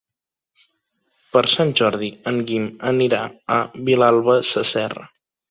Per Sant Jordi en Guim anirà a Vilalba Sasserra.